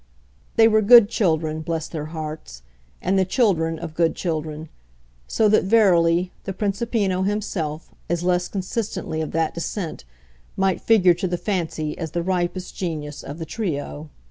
They were good children, bless their hearts, and the children of good children; so that, verily, the Principino himself, as less consistently of that descent, might figure to the fancy as the ripest genius of the trio.